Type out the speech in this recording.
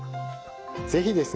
是非ですね